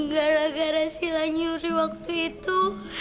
gara gara sila nyuri waktu itu